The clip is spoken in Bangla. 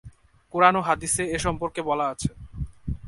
কুরআন ও হাদিসে এ সম্পর্কে বলা আছে।